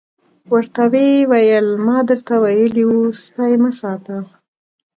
ورته ویې ویل ما درته ویلي وو سپي مه ساتئ.